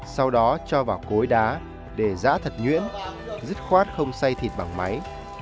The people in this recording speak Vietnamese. sau đó cho vào cối đá để rã thật nhuyễn dứt khoát không xay thịt bằng máy